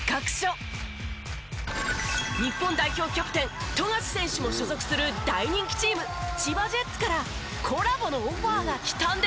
日本代表キャプテン富樫選手も所属する大人気チーム千葉ジェッツからコラボのオファーが来たんです。